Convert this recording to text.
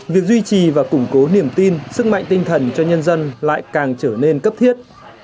việc duy trì và củng cố niềm tin sức mạnh tinh thần cho nhân dân lại càng trở nên cấp thiết